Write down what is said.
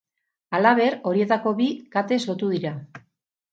Halaber, horietako bi katez lotu dira.